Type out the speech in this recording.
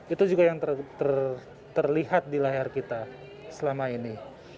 itu juga yang terlihat di layar kita selama ini